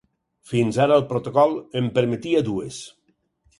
Fins ara, el protocol en permetia dues.